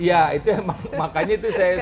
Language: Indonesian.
ya itu makanya itu saya sampai